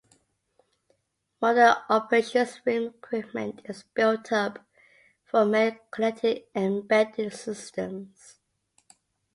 Modern Operations Room equipment is built up from many connected embedded systems.